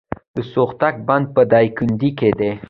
د سوختوک بند په دایکنډي کې دی